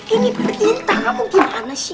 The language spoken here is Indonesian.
ini pada intar gak mau kerana sih